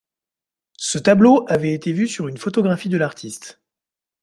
Ce tableau avait été vu sur une photographie de l’artiste.